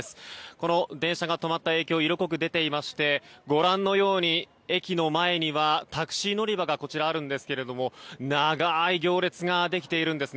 この電車が止まった影響色濃く出ていましてご覧のように駅の前にはタクシー乗り場がこちらにありますが長い行列ができているんです。